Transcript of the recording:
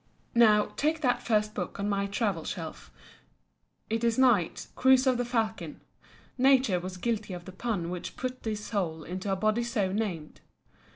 Now, take that first book on my travel shelf. It is Knight's "Cruise of the Falcon." Nature was guilty of the pun which put this soul into a body so named.